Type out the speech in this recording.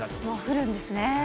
もう降るんですね。